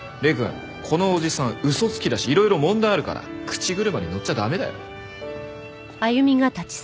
このおじさん嘘つきだしいろいろ問題あるから口車にのっちゃ駄目だよ。